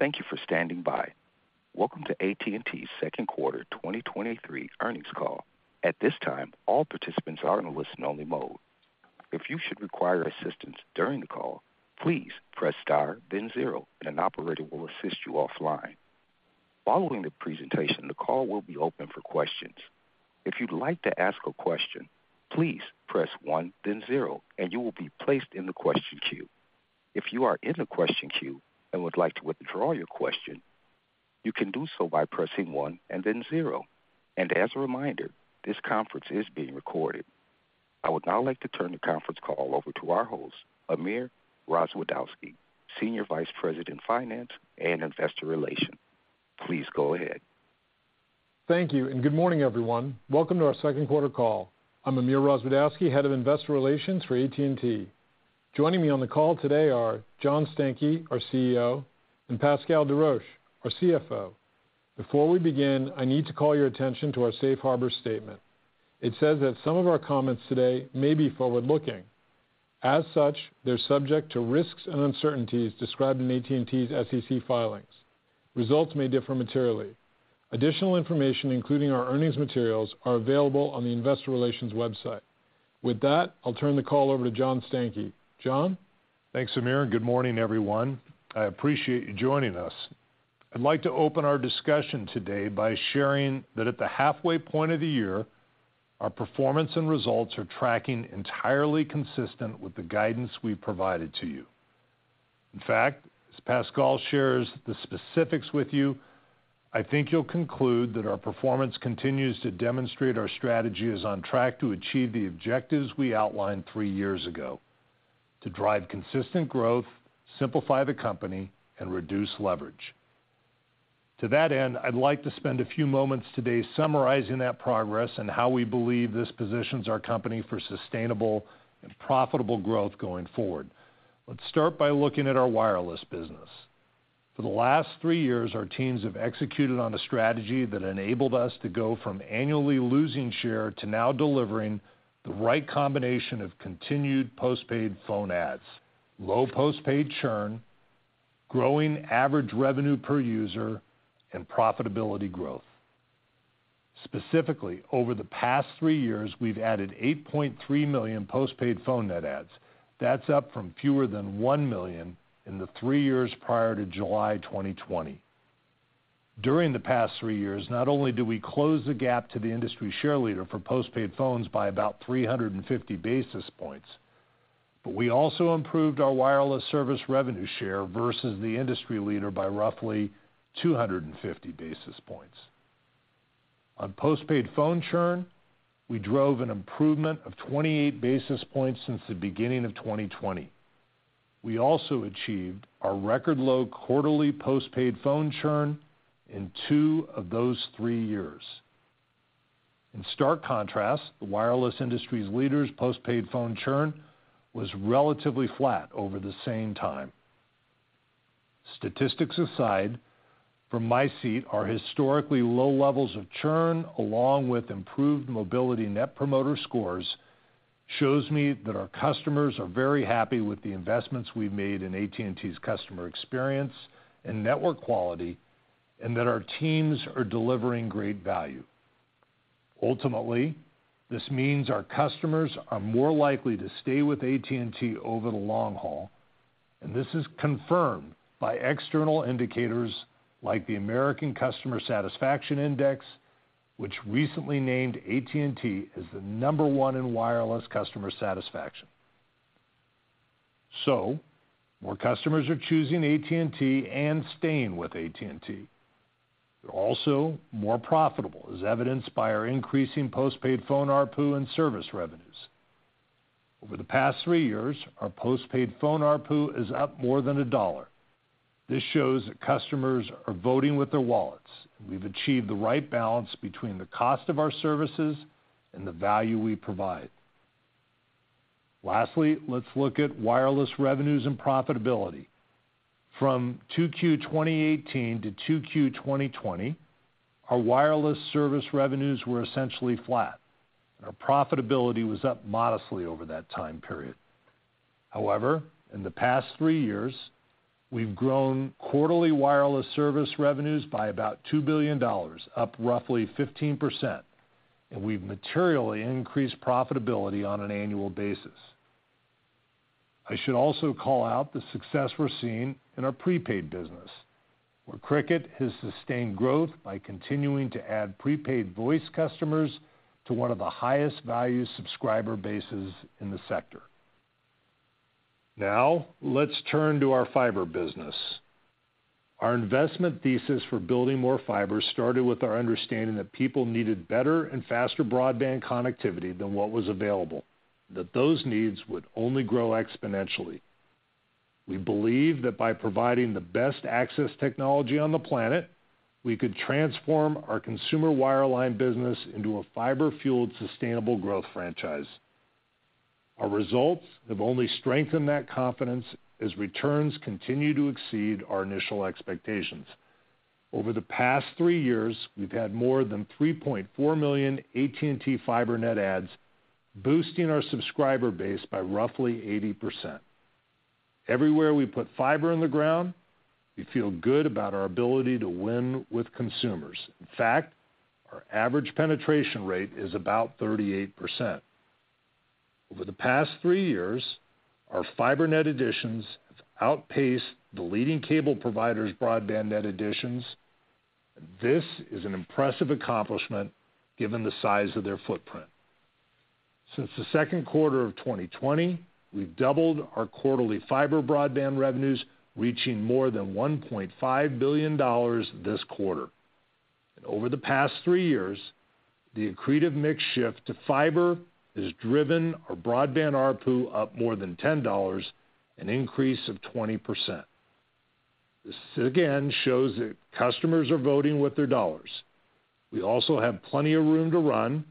Thank you for standing by. Welcome to AT&T's second quarter 2023 earnings call. At this time, all participants are in a listen-only mode. If you should require assistance during the call, please press star, then zero, and an operator will assist you offline. Following the presentation, the call will be open for questions. If you'd like to ask a question, please press one, then zero, and you will be placed in the question queue. If you are in the question queue and would like to withdraw your question, you can do so by pressing one and then zero. As a reminder, this conference is being recorded. I would now like to turn the conference call over to our host, Amir Rozwadowski, Senior Vice President, Finance and Investor Relations. Please go ahead. Thank you. Good morning, everyone. Welcome to our second quarter call. I'm Amir Rozwadowski, Head of Investor Relations for AT&T. Joining me on the call today are John Stankey, our CEO, and Pascal Desroches, our CFO. Before we begin, I need to call your attention to our Safe Harbor statement. It says that some of our comments today may be forward-looking. They're subject to risks and uncertainties described in AT&T's SEC filings. Results may differ materially. Additional information, including our earnings materials, are available on the Investor Relations website. I'll turn the call over to John Stankey. John? Thanks, Amir, and good morning, everyone. I appreciate you joining us. I'd like to open our discussion today by sharing that at the halfway point of the year, our performance and results are tracking entirely consistent with the guidance we've provided to you. In fact, as Pascal shares the specifics with you, I think you'll conclude that our performance continues to demonstrate our strategy is on track to achieve the objectives we outlined three years ago: to drive consistent growth, simplify the company, and reduce leverage. To that end, I'd like to spend a few moments today summarizing that progress and how we believe this positions our company for sustainable and profitable growth going forward. Let's start by looking at our Wireless business. For the last three years, our teams have executed on a strategy that enabled us to go from annually losing share to now delivering the right combination of continued postpaid phone adds, low postpaid churn, growing average revenue per user, and profitability growth. Specifically, over the past three years, we've added 8.3 million postpaid phone net adds. That's up from fewer than 1 million in the three years prior to July 2020. During the past three years, not only did we close the gap to the industry share leader for postpaid phones by about 350 basis points, we also improved our Wireless service revenue share versus the industry leader by roughly 250 basis points. On postpaid phone churn, we drove an improvement of 28 basis points since the beginning of 2020. We also achieved a record low quarterly postpaid phone churn in two of those three years. In stark contrast, the Wireless industry's leaders' postpaid phone churn was relatively flat over the same time. Statistics aside, from my seat, our historically low levels of churn, along with improved mobility Net Promoter Scores, shows me that our customers are very happy with the investments we've made in AT&T's customer experience and network quality, and that our teams are delivering great value. Ultimately, this means our customers are more likely to stay with AT&T over the long haul, and this is confirmed by external indicators like the American Customer Satisfaction Index, which recently named AT&T as the number one in Wireless Customer Satisfaction. More customers are choosing AT&T and staying with AT&T. They're also more profitable, as evidenced by our increasing postpaid phone ARPU and service revenues. Over the past three years, our postpaid phone ARPU is up more than $1. This shows that customers are voting with their wallets. We've achieved the right balance between the cost of our services and the value we provide. Lastly, let's look at Wireless revenues and profitability. From 2Q 2018-2Q 2020, our Wireless Service revenues were essentially flat, and our profitability was up modestly over that time period. However, in the past three years, we've grown quarterly Wireless Service revenues by about $2 billion, up roughly 15%, and we've materially increased profitability on an annual basis. I should also call out the success we're seeing in our prepaid business, where Cricket has sustained growth by continuing to add prepaid voice customers to one of the highest-value subscriber bases in the sector. Let's turn to our Fiber business. Our investment thesis for building more fiber started with our understanding that people needed better and faster broadband connectivity than what was available, that those needs would only grow exponentially. We believe that by providing the best access technology on the planet, we could transform our consumer wireline business into a fiber-fueled, sustainable growth franchise. Our results have only strengthened that confidence as returns continue to exceed our initial expectations. Over the past three years, we've had more than 3.4 million AT&T Fiber net adds, boosting our subscriber base by roughly 80%. Everywhere we put fiber in the ground, we feel good about our ability to win with consumers. In fact, our average penetration rate is about 38%. Over the past three years, our Fiber net additions have outpaced the leading cable provider's broadband net additions. This is an impressive accomplishment given the size of their footprint. Since the second quarter of 2020, we've doubled our quarterly Fiber broadband revenues, reaching more than $1.5 billion this quarter. Over the past three years, the accretive mix shift to Fiber has driven our Broadband ARPU up more than $10, an increase of 20%. This again, shows that customers are voting with their dollars. We also have plenty of room to run,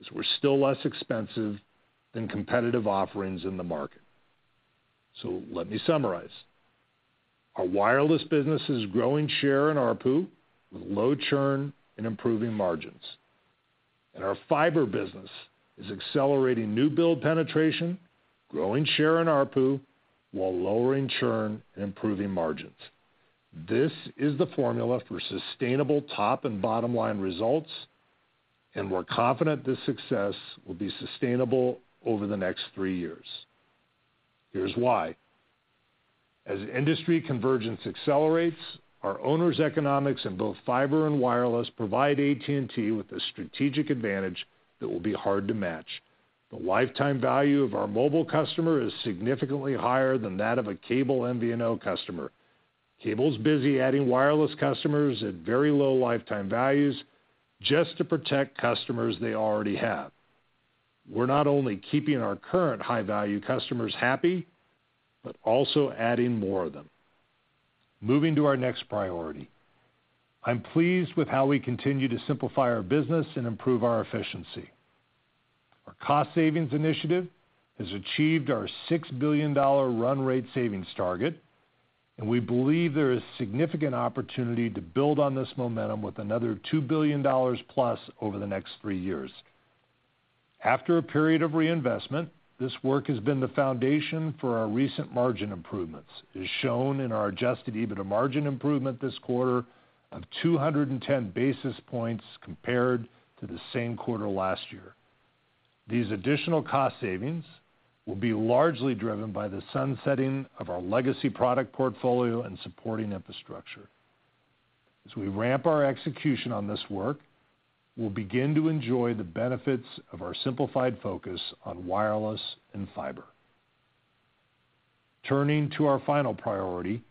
as we're still less expensive than competitive offerings in the market. Let me summarize. Our Wireless business is growing share and ARPU, with low churn and improving margins, and our Fiber business is accelerating new build penetration, growing share and ARPU, while lowering churn and improving margins. This is the formula for sustainable top and bottom line results, and we're confident this success will be sustainable over the next three years. Here's why: as industry convergence accelerates, our owners' economics in both Fiber and Wireless provide AT&T with a strategic advantage that will be hard to match. The lifetime value of our mobile customer is significantly higher than that of a cable MVNO customer. Cable's busy adding Wireless customers at very low lifetime values just to protect customers they already have. We're not only keeping our current high-value customers happy, but also adding more of them. Moving to our next priority, I'm pleased with how we continue to simplify our business and improve our efficiency. Our cost savings initiative has achieved our $6 billion run rate savings target. We believe there is significant opportunity to build on this momentum with another $2 billion+ over the next 3 years. After a period of reinvestment, this work has been the foundation for our recent margin improvements, as shown in our Adjusted EBITDA margin improvement this quarter of 210 basis points, compared to the same quarter last year. These additional cost savings will be largely driven by the sunsetting of our legacy product portfolio and supporting infrastructure. As we ramp our execution on this work, we'll begin to enjoy the benefits of our simplified focus on Wireless and Fiber. Turning to our final priority,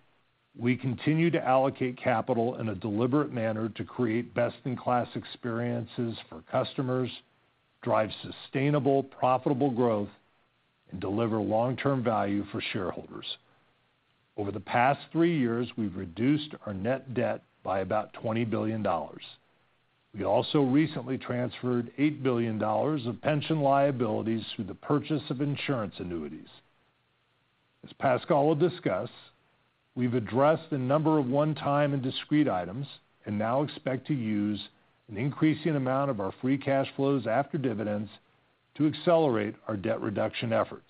we continue to allocate capital in a deliberate manner to create best-in-class experiences for customers, drive sustainable, profitable growth, and deliver long-term value for shareholders. Over the past three years, we've reduced our net debt by about $20 billion. We also recently transferred $8 billion of pension liabilities through the purchase of insurance annuities. As Pascal will discuss, we've addressed a number of one-time and discrete items. Now expect to use an increasing amount of our free cash flows after dividends to accelerate our debt reduction efforts.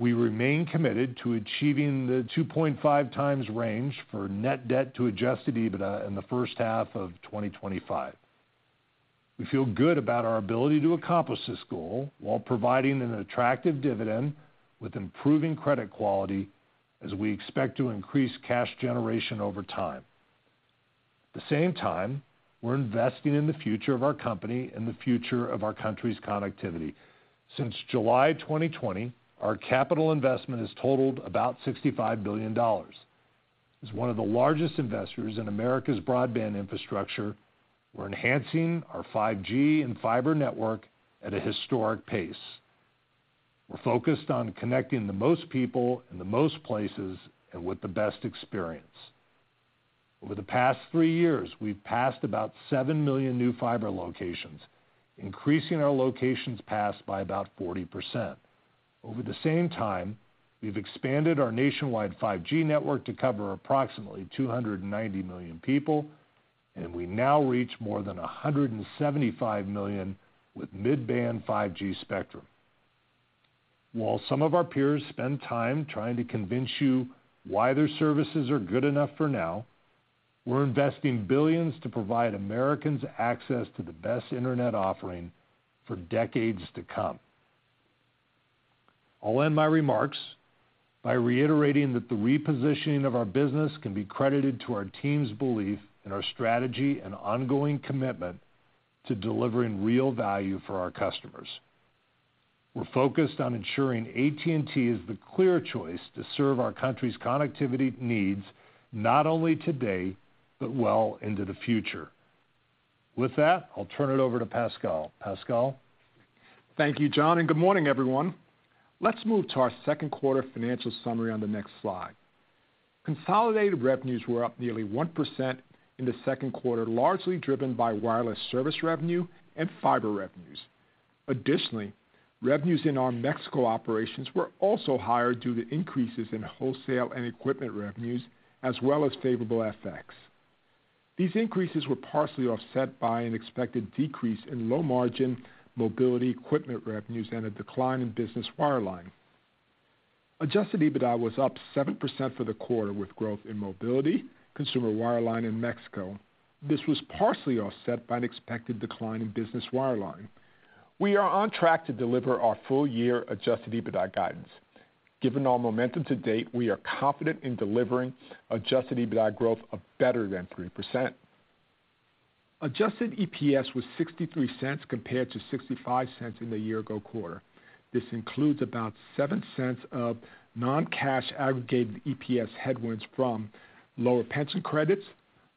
We remain committed to achieving the 2.5x range for net debt-to-adjusted EBITDA in the first half of 2025. We feel good about our ability to accomplish this goal while providing an attractive dividend with improving credit quality, as we expect to increase cash generation over time. The same time, we're investing in the future of our company and the future of our country's connectivity. Since July 2020, our capital investment has totaled about $65 billion. As one of the largest investors in America's broadband infrastructure, we're enhancing our 5G and Fiber network at a historic pace. We're focused on connecting the most people in the most places and with the best experience. Over the past three years, we've passed about 7 million new fiber locations, increasing our locations passed by about 40%. Over the same time, we've expanded our nationwide 5G network to cover approximately 290 million people, and we now reach more than 175 million with mid-band 5G spectrum. While some of our peers spend time trying to convince you why their services are good enough for now, we're investing billions to provide Americans access to the best internet offering for decades to come. I'll end my remarks by reiterating that the repositioning of our business can be credited to our team's belief in our strategy and ongoing commitment to delivering real value for our customers. We're focused on ensuring AT&T is the clear choice to serve our country's connectivity needs, not only today, but well into the future. With that, I'll turn it over to Pascal. Pascal? Thank you, John. Good morning, everyone. Let's move to our second quarter financial summary on the next slide. Consolidated revenues were up nearly 1% in the second quarter, largely driven by Wireless Service revenue and Fiber revenues. Additionally, revenues in our Mexico operations were also higher due to increases in wholesale and equipment revenues, as well as favorable FX. These increases were partially offset by an expected decrease in low-margin mobility equipment revenues and a decline in business wireline. Adjusted EBITDA was up 7% for the quarter, with growth in mobility, consumer wireline, and Mexico. This was partially offset by an expected decline in business wireline. We are on track to deliver our full-year Adjusted EBITDA guidance. Given our momentum to date, we are confident in delivering Adjusted EBITDA growth of better than 3%. Adjusted EPS was $0.63 compared to $0.65 in the year-ago quarter. This includes about $0.07 of non-cash aggregated EPS headwinds from lower pension credits,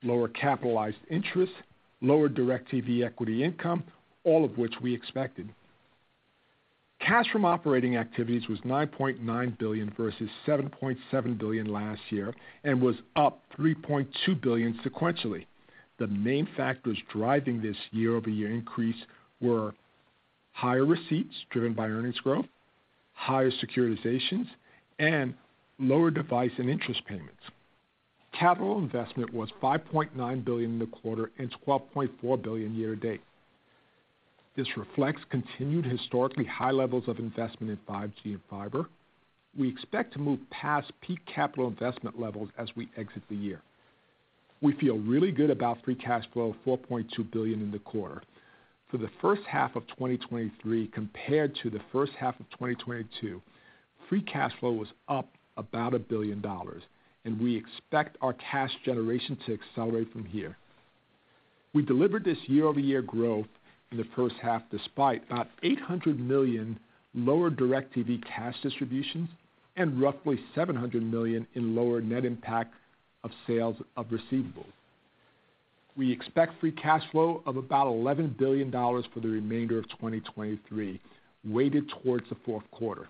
lower capitalized interest, lower DIRECTV equity income, all of which we expected. Cash from operating activities was $9.9 billion versus $7.7 billion last year and was up $3.2 billion sequentially. The main factors driving this year-over-year increase were higher receipts, driven by earnings growth, higher securitizations, and lower device and interest payments. Capital investment was $5.9 billion in the quarter and $12.4 billion year to date. This reflects continued historically high levels of investment in 5G and Fiber. We expect to move past peak capital investment levels as we exit the year. We feel really good about free cash flow of $4.2 billion in the quarter. For the first half of 2023 compared to the first half of 2022, free cash flow was up about $1 billion. We expect our cash generation to accelerate from here. We delivered this year-over-year growth in the first half, despite about $800 million lower DIRECTV cash distributions and roughly $700 million in lower net impact of sales of receivables. We expect free cash flow of about $11 billion for the remainder of 2023, weighted towards the fourth quarter.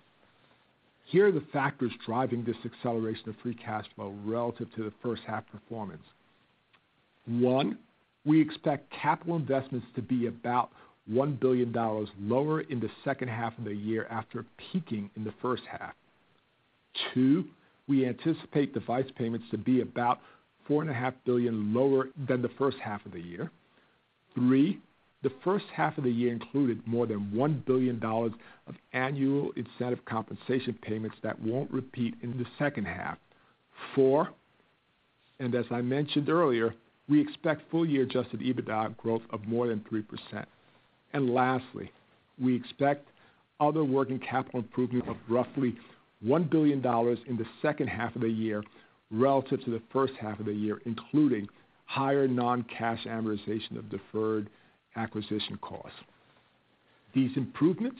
Here are the factors driving this acceleration of free cash flow relative to the first half performance. One, we expect capital investments to be about $1 billion lower in the second half of the year after peaking in the first half. Two, we anticipate device payments to be about $4.5 billion lower than the first half of the year. Three, the first half of the year included more than $1 billion of annual incentive compensation payments that won't repeat in the second half. Four, as I mentioned earlier, we expect full-year adjusted EBITDA growth of more than 3%. Lastly, we expect other working capital improvement of roughly $1 billion in the second half of the year relative to the first half of the year, including higher non-cash amortization of deferred acquisition costs. These improvements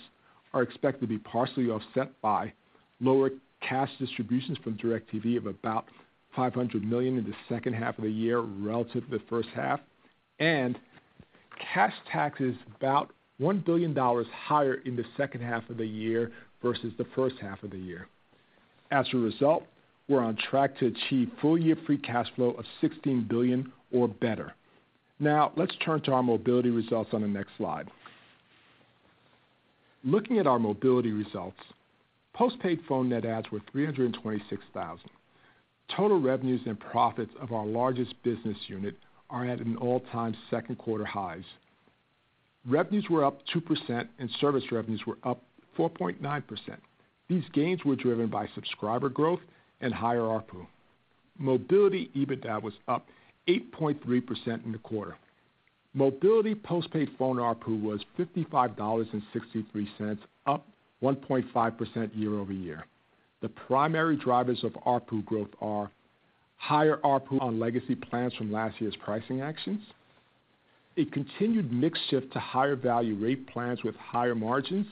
are expected to be partially offset by lower cash distributions from DIRECTV of about $500 million in the second half of the year relative to the first half, and cash taxes about $1 billion higher in the second half of the year versus the first half of the year. As a result, we're on track to achieve full year free cash flow of $16 billion or better. Let's turn to our Mobility results on the next slide. Looking at our Mobility results, postpaid phone net adds were 326,000. Total revenues and profits of our largest business unit are at an all-time second quarter highs. Revenues were up 2%, and service revenues were up 4.9%. These gains were driven by subscriber growth and higher ARPU. Mobility EBITDA was up 8.3% in the quarter. Mobility postpaid phone ARPU was $55.63, up 1.5% year-over-year. The primary drivers of ARPU growth are higher ARPU on legacy plans from last year's pricing actions, a continued mix shift to higher value rate plans with higher margins,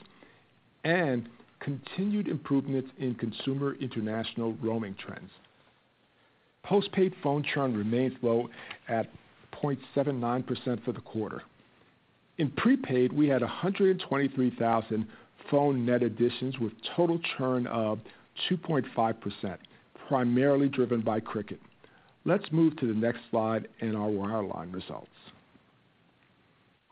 and continued improvements in consumer international roaming trends. Postpaid phone churn remains low at 0.79% for the quarter. In prepaid, we had 123,000 phone net additions, with total churn of 2.5%, primarily driven by Cricket. Let's move to the next slide and our wireline results.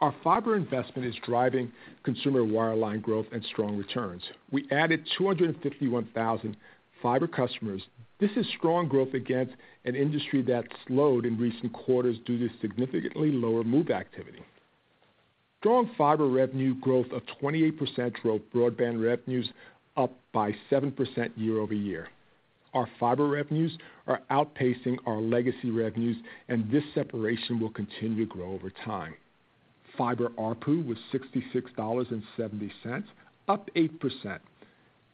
Our Fiber investment is driving consumer wireline growth and strong returns. We added 251,000 Fiber customers. This is strong growth against an industry that slowed in recent quarters due to significantly lower move activity. Strong Fiber revenue growth of 28% drove Broadband revenues up by 7% year-over-year. Our Fiber revenues are outpacing our legacy revenues. This separation will continue to grow over time. Fiber ARPU was $66.70, up 8%.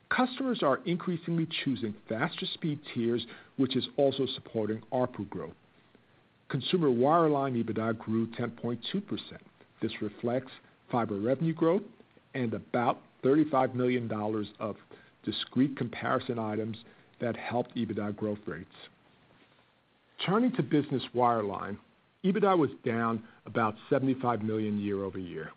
Customers are increasingly choosing faster speed tiers, which is also supporting ARPU growth. Consumer wireline EBITDA grew 10.2%. This reflects Fiber revenue growth and about $35 million of discrete comparison items that helped EBITDA growth rates. Turning to business wireline, EBITDA was down about $75 million year-over-year.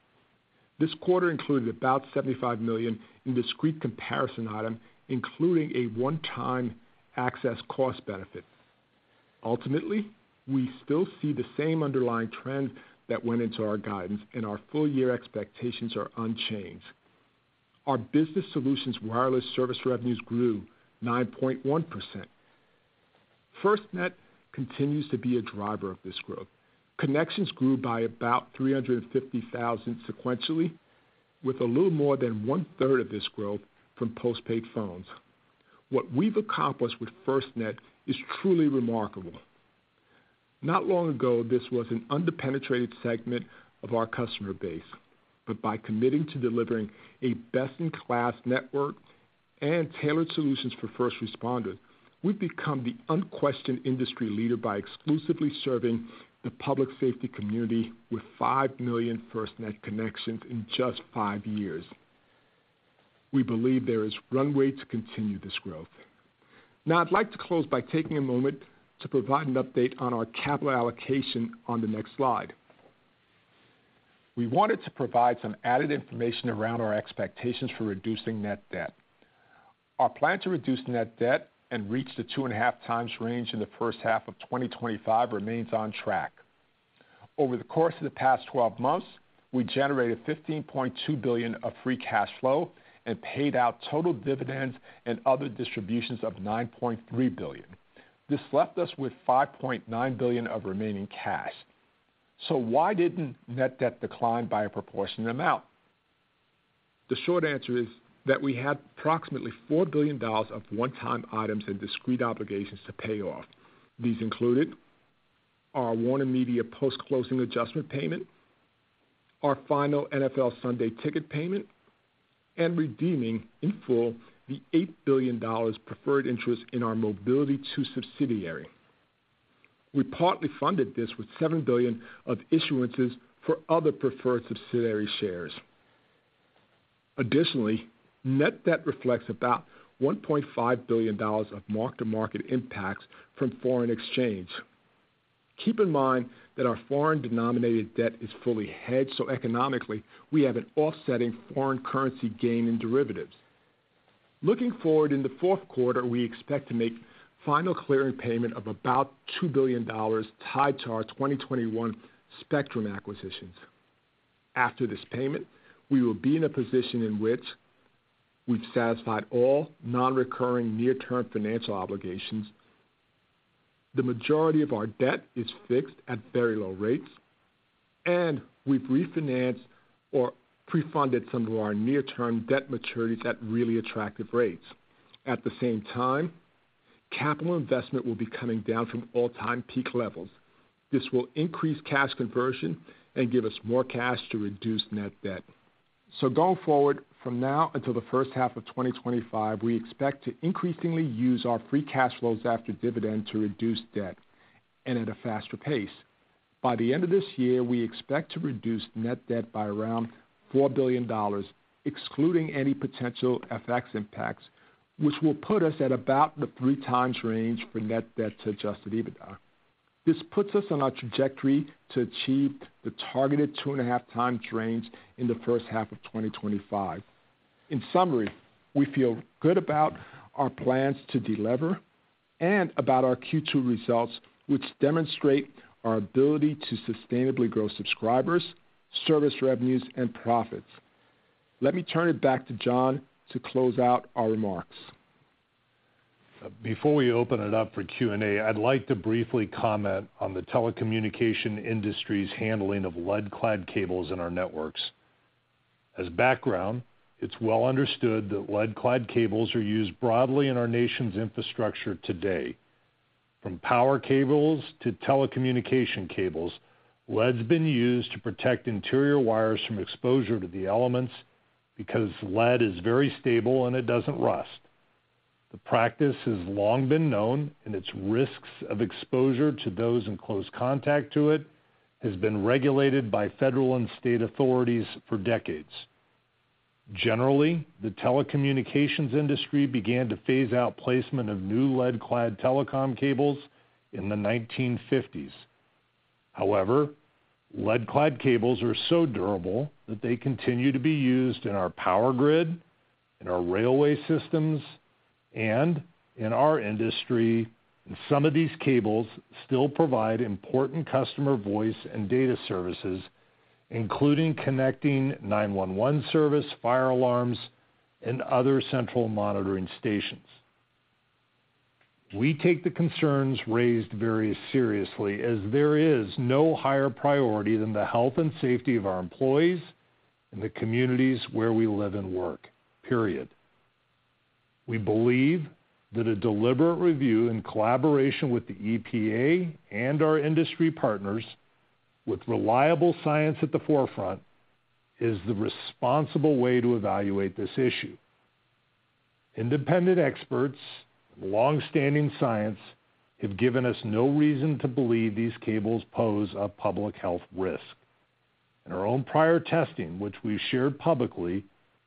This quarter included about $75 million in discrete comparison item, including a one-time access cost benefit. Ultimately, we still see the same underlying trend that went into our guidance, and our full year expectations are unchanged. Our Business Solutions Wireless Service revenues grew 9.1%. FirstNet continues to be a driver of this growth. Connections grew by about 350,000 sequentially, with a little more than one third of this growth from postpaid phones. What we've accomplished with FirstNet is truly remarkable. Not long ago, this was an under-penetrated segment of our customer base, but by committing to delivering a best-in-class network and tailored solutions for first responders, we've become the unquestioned industry leader by exclusively serving the public safety community with 5 million FirstNet connections in just five years. We believe there is runway to continue this growth. I'd like to close by taking a moment to provide an update on our capital allocation on the next slide. We wanted to provide some added information around our expectations for reducing net debt. Our plan to reduce net debt and reach the 2.5x range in the first half of 2025 remains on track. Over the course of the past 12 months, we generated $15.2 billion of free cash flow and paid out total dividends and other distributions of $9.3 billion. This left us with $5.9 billion of remaining cash. Why didn't net debt decline by a proportionate amount? The short answer is that we had approximately $4 billion of one-time items and discrete obligations to pay off. These included our WarnerMedia post-closing adjustment payment, our final NFL Sunday Ticket payment, and redeeming in full the $8 billion preferred interest in our Mobility II subsidiary. We partly funded this with $7 billion of issuances for other preferred subsidiary shares. Additionally, net debt reflects about $1.5 billion of mark-to-market impacts from foreign exchange. Keep in mind that our foreign-denominated debt is fully hedged, so economically, we have an offsetting foreign currency gain in derivatives. Looking forward, in the fourth quarter, we expect to make final clearing payment of about $2 billion tied to our 2021 spectrum acquisitions. After this payment, we will be in a position in which we've satisfied all non-recurring near-term financial obligations, the majority of our debt is fixed at very low rates, and we've refinanced or pre-funded some of our near-term debt maturities at really attractive rates. At the same time, capital investment will be coming down from all-time peak levels. This will increase cash conversion and give us more cash to reduce net debt. Going forward, from now until the first half of 2025, we expect to increasingly use our free cash flows after dividend to reduce debt and at a faster pace. By the end of this year, we expect to reduce net debt by around $4 billion, excluding any potential FX impacts, which will put us at about the 3x range for net debt-to-adjusted EBITDA. This puts us on a trajectory to achieve the targeted 2.5x range in the first half of 2025. In summary, we feel good about our plans to delever and about our Q2 results, which demonstrate our ability to sustainably grow subscribers, service revenues, and profits. Let me turn it back to John to close out our remarks. Before we open it up for Q&A, I'd like to briefly comment on the telecommunication industry's handling of lead-clad cables in our networks. As background, it's well understood that lead-clad cables are used broadly in our nation's infrastructure today. From power cables to telecommunication cables, lead's been used to protect interior wires from exposure to the elements because lead is very stable and it doesn't rust. The practice has long been known, and its risks of exposure to those in close contact to it has been regulated by federal and state authorities for decades. Generally, the telecommunications industry began to phase out placement of new lead-clad telecom cables in the 1950s. Lead-clad cables are so durable that they continue to be used in our power grid, in our railway systems, and in our industry, and some of these cables still provide important customer voice and data services, including connecting 911 service, fire alarms, and other central monitoring stations. We take the concerns raised very seriously, as there is no higher priority than the health and safety of our employees and the communities where we live and work, period. We believe that a deliberate review in collaboration with the EPA and our industry partners, with reliable science at the forefront, is the responsible way to evaluate this issue. Independent experts and long-standing science have given us no reason to believe these cables pose a public health risk, and our own prior testing, which we've shared publicly,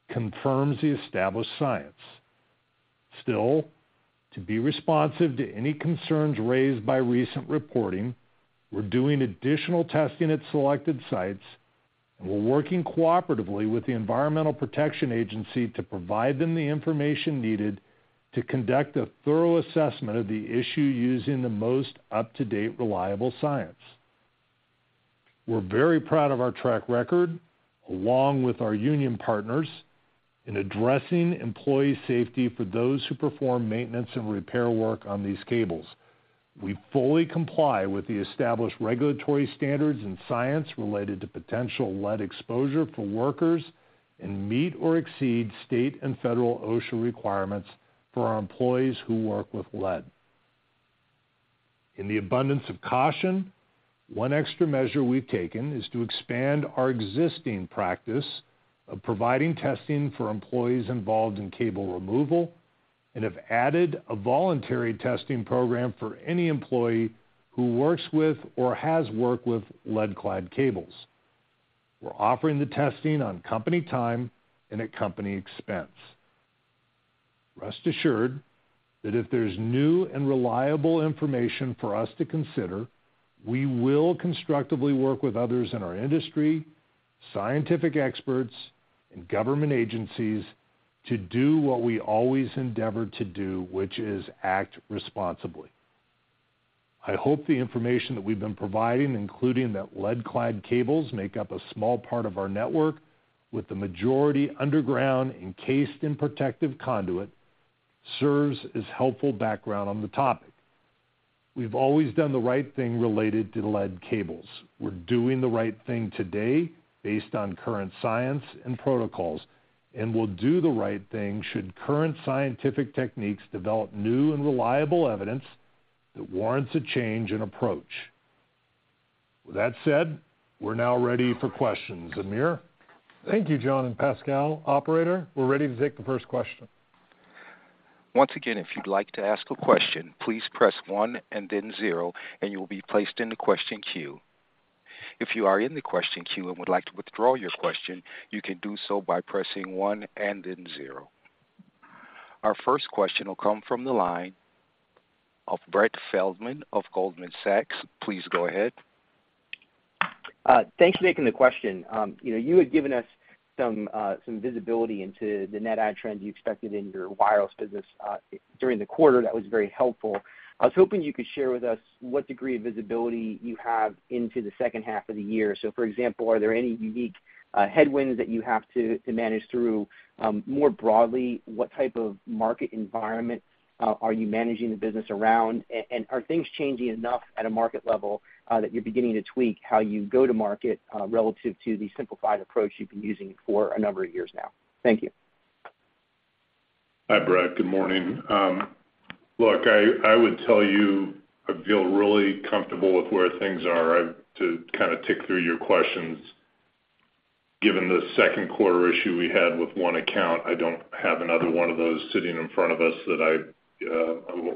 confirms the established science. To be responsive to any concerns raised by recent reporting, we're doing additional testing at selected sites. We're working cooperatively with the Environmental Protection Agency to provide them the information needed to conduct a thorough assessment of the issue using the most up-to-date, reliable science. We're very proud of our track record, along with our union partners, in addressing employee safety for those who perform maintenance and repair work on these cables. We fully comply with the established regulatory standards and science related to potential lead exposure for workers, and meet or exceed state and federal OSHA requirements for our employees who work with lead. In the abundance of caution, one extra measure we've taken is to expand our existing practice of providing testing for employees involved in cable removal, and have added a voluntary testing program for any employee who works with or has worked with lead-clad cables. We're offering the testing on company time and at company expense. Rest assured that if there's new and reliable information for us to consider, we will constructively work with others in our industry, scientific experts, and government agencies to do what we always endeavor to do, which is act responsibly. I hope the information that we've been providing, including that lead-clad cables, make up a small part of our network, with the majority underground, encased in protective conduit, serves as helpful background on the topic. We've always done the right thing related to lead cables. We're doing the right thing today based on current science and protocols, and we'll do the right thing should current scientific techniques develop new and reliable evidence that warrants a change in approach. With that said, we're now ready for questions. Amir? Thank you, John and Pascal. Operator, we're ready to take the first question. Once again, if you'd like to ask a question, please press one and then zero. You will be placed in the question queue. If you are in the question queue and would like to withdraw your question, you can do so by pressing one and then zero. Our first question will come from the line of Brett Feldman of Goldman Sachs. Please go ahead. Thanks for taking the question. You know, you had given us some visibility into the net add trends you expected in your Wireless business during the quarter. That was very helpful. I was hoping you could share with us what degree of visibility you have into the second half of the year. For example, are there any unique headwinds that you have to manage through? More broadly, what type of market environment are you managing the business around? Are things changing enough at a market level that you're beginning to tweak how you go to market relative to the simplified approach you've been using for a number of years now? Thank you. Hi, Brett. Good morning. Look, I would tell you, I feel really comfortable with where things are. to kind of tick through your questions, given the second quarter issue we had with one account, I don't have another one of those sitting in front of us that I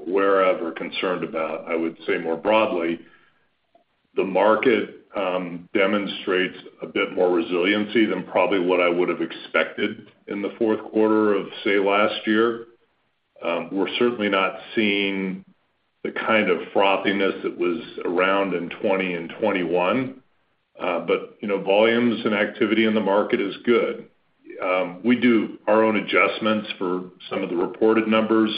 we're ever concerned about. I would say more broadly, the market demonstrates a bit more resiliency than probably what I would have expected in the fourth quarter of, say, last year. We're certainly not seeing the kind of frothiness that was around in 2020 and 2021. You know, volumes and activity in the market is good. We do our own adjustments for some of the reported numbers.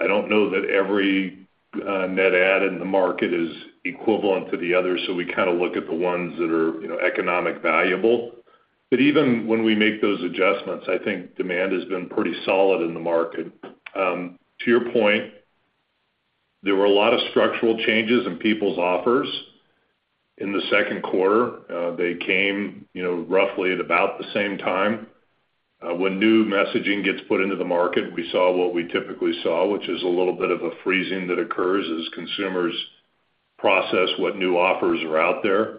I don't know that every net add in the market is equivalent to the other, so we kind of look at the ones that are, you know, economic valuable. Even when we make those adjustments, I think demand has been pretty solid in the market. To your point, there were a lot of structural changes in people's offers in the second quarter. They came, you know, roughly at about the same time. When new messaging gets put into the market, we saw what we typically saw, which is a little bit of a freezing that occurs as consumers process what new offers are out there.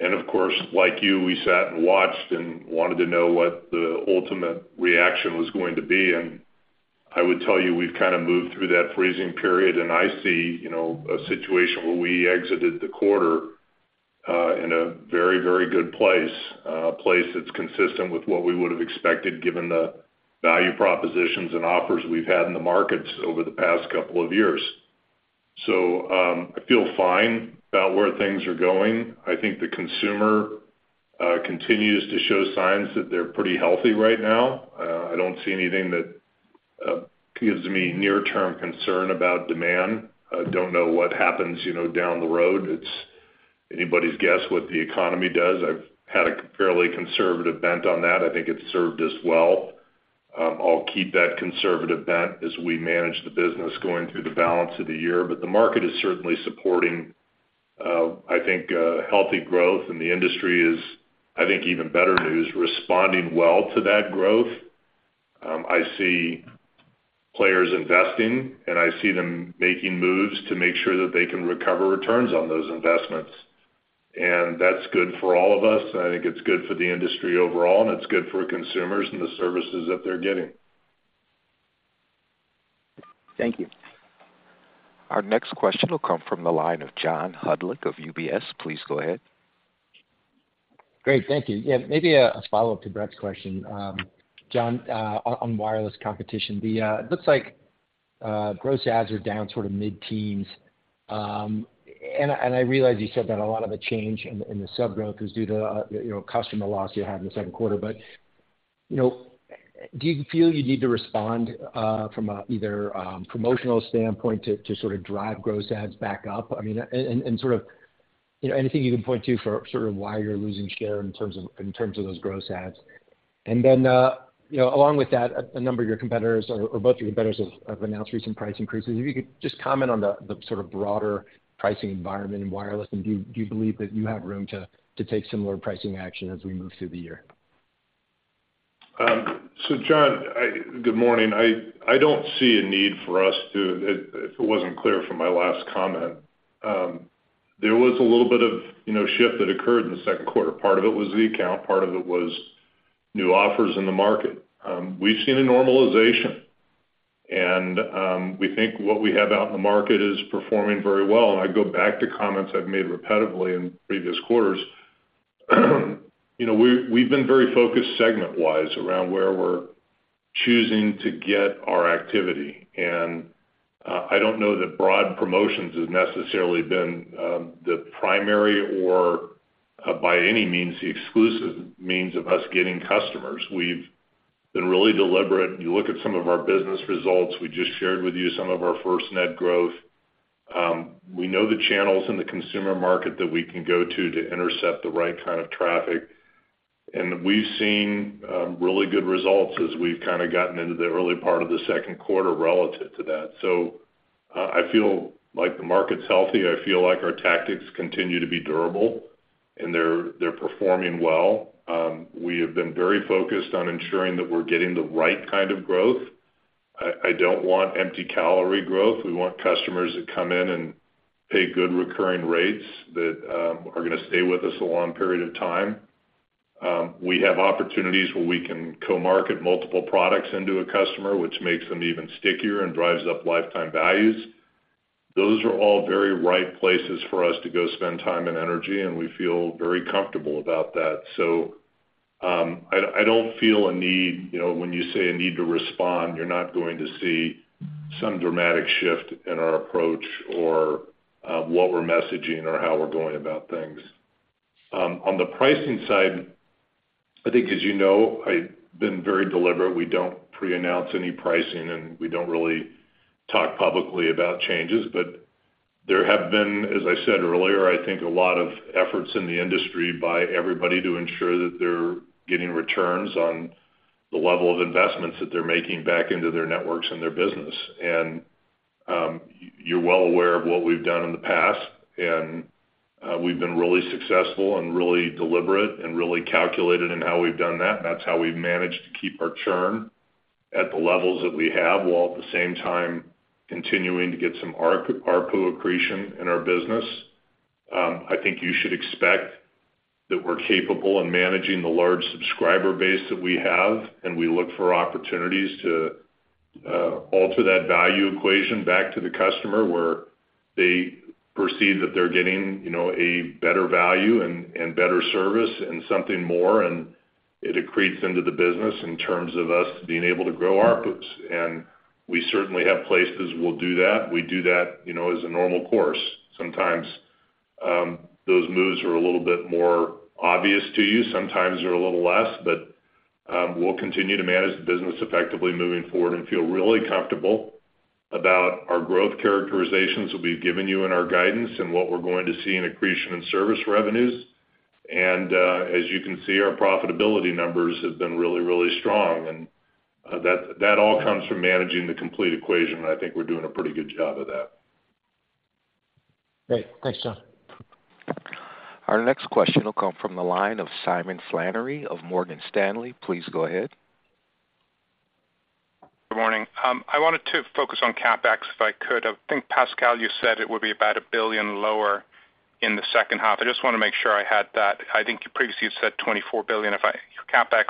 Of course, like you, we sat and watched and wanted to know what the ultimate reaction was going to be, and I would tell you, we've kind of moved through that freezing period, and I see, you know, a situation where we exited the quarter in a very, very good place. A place that's consistent with what we would have expected, given the value propositions and offers we've had in the markets over the past couple of years. I feel fine about where things are going. I think the consumer continues to show signs that they're pretty healthy right now. I don't see anything that gives me near-term concern about demand. I don't know what happens, you know, down the road. It's anybody's guess what the economy does. I've had a fairly conservative bent on that. I think it's served us well. I'll keep that conservative bent as we manage the business going through the balance of the year. The market is certainly supporting, I think, healthy growth, and the industry is, I think, even better news, responding well to that growth. I see players investing, and I see them making moves to make sure that they can recover returns on those investments. That's good for all of us, and I think it's good for the industry overall, and it's good for consumers and the services that they're getting. Thank you. Our next question will come from the line of John Hodulik of UBS. Please go ahead. Great, thank you. Yeah, maybe a follow-up to Brett's question. John, on Wireless competition, the gross ads are down sort of mid-teens. I realize you said that a lot of the change in the sub-growth is due to, you know, customer loss you had in the second quarter. You know, do you feel you need to respond from a either promotional standpoint to sort of drive gross ads back up? I mean, and sort of, you know, anything you can point to for sort of why you're losing share in terms of those gross ads? You know, along with that, a number of your competitors or both your competitors have announced recent price increases. If you could just comment on the sort of broader pricing environment in wireless, and do you believe that you have room to take similar pricing action as we move through the year? John, good morning. I don't see a need for us to if it wasn't clear from my last comment. There was a little bit of, you know, shift that occurred in the second quarter. Part of it was the account, part of it was new offers in the market. We've seen a normalization, and, we think what we have out in the market is performing very well. I go back to comments I've made repetitively in previous quarters. You know, we've been very focused segment-wise around where we're choosing to get our activity, and, I don't know that broad promotions has necessarily been, the primary or, by any means, the exclusive means of us getting customers. We've been really deliberate. You look at some of our business results, we just shared with you some of our FirstNet growth. We know the channels in the consumer market that we can go to intercept the right kind of traffic, and we've seen really good results as we've kind of gotten into the early part of the second quarter relative to that. I feel like the market's healthy. I feel like our tactics continue to be durable, and they're performing well. We have been very focused on ensuring that we're getting the right kind of growth. I don't want empty-calorie growth. We want customers that come in and pay good recurring rates that are gonna stay with us a long period of time. We have opportunities where we can co-market multiple products into a customer, which makes them even stickier and drives up lifetime values. Those are all very right places for us to go spend time and energy, and we feel very comfortable about that. I don't feel a need, you know, when you say a need to respond, you're not going to see some dramatic shift in our approach or what we're messaging or how we're going about things. On the pricing side, I think, as you know, I've been very deliberate. We don't pre-announce any pricing, and we don't really talk publicly about changes. There have been, as I said earlier, I think, a lot of efforts in the industry by everybody to ensure that they're getting returns on the level of investments that they're making back into their networks and their business. You're well aware of what we've done in the past, we've been really successful and really deliberate and really calculated in how we've done that. That's how we've managed to keep our churn at the levels that we have, while at the same time continuing to get some ARPU accretion in our business. I think you should expect that we're capable in managing the large subscriber base that we have, and we look for opportunities to alter that value equation back to the customer, where they perceive that they're getting, you know, a better value and better service and something more, and it accretes into the business in terms of us being able to grow ARPUs. We certainly have places we'll do that. We do that, you know, as a normal course. Sometimes, those moves are a little bit more obvious to you, sometimes they're a little less. We'll continue to manage the business effectively moving forward and feel really comfortable about our growth characterizations that we've given you in our guidance and what we're going to see in accretion and service revenues. As you can see, our profitability numbers have been really, really strong, and that all comes from managing the complete equation. I think we're doing a pretty good job of that. Great. Thanks, John. Our next question will come from the line of Simon Flannery of Morgan Stanley. Please go ahead. Good morning. I wanted to focus on CapEx if I could. I think, Pascal, you said it would be about $1 billion lower in the second half. I just want to make sure I had that. I think you previously said $24 billion. CapEx,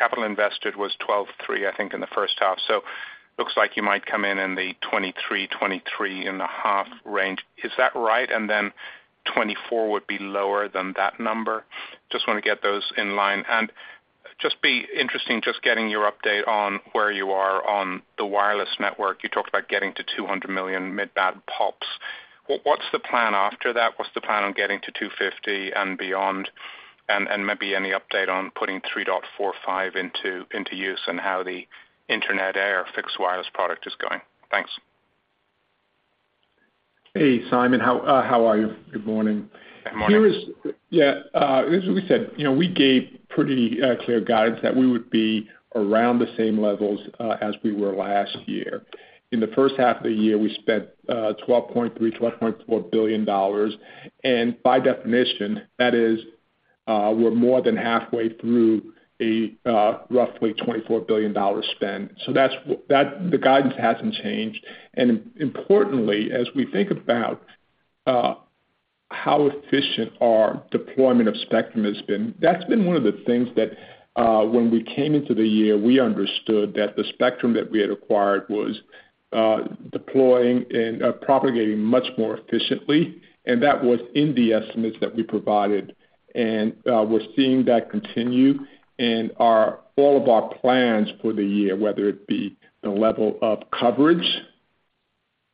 capital invested was $12.3 billion, I think, in the first half. Looks like you might come in in the $23 billion-$23.5 billion range. Is that right? $24 billion would be lower than that number. Just want to get those in line. Just be interesting, just getting your update on where you are on the Wireless network. You talked about getting to 200 million mid-band POPs. What's the plan after that? What's the plan on getting to 250 and beyond? Maybe any update on putting 3.45 GHz into use and how the Internet Air fixed wireless product is going? Thanks. Hey, Simon. How are you? Good morning. Good morning. As we said, you know, we gave pretty clear guidance that we would be around the same levels as we were last year. In the first half of the year, we spent $12.3 billion-$12.4 billion, and by definition, that is, we're more than halfway through a roughly $24 billion spend. That's, the guidance hasn't changed. Importantly, as we think about how efficient our deployment of spectrum has been, that's been one of the things that when we came into the year, we understood that the spectrum that we had acquired was deploying and propagating much more efficiently, and that was in the estimates that we provided. We're seeing that continue, and all of our plans for the year, whether it be the level of coverage